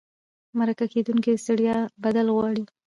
مرکه کېدونکي د ستړیا بدل غواړي.